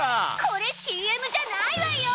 これＣＭじゃないわよ！